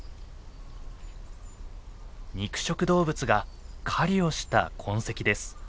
肉食動物が狩りをした痕跡です。